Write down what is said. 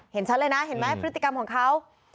เห็นชัดเลยนะเห็นไหมพฤติกรรมของเขา